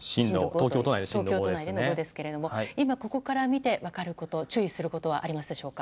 東京都内でも５ですけれども今、ここから見て分かること、注意することはありますでしょうか。